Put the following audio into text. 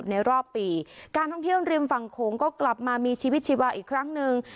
ในรอบปีการท่องเที่ยวริมฝั่งโขงก็กลับมามีชีวิตชีวาอีกครั้งหนึ่ง